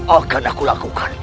akan aku lakukan